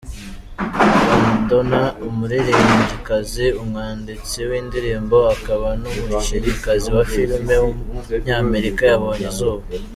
Madonna, umuririmbyikazi, umwanditsi w’indirimbo akaba n’umukinnyikazi wa film w’umunyamerika yabonye izuba.